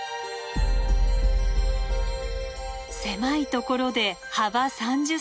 狭いところで幅３０ｃｍ。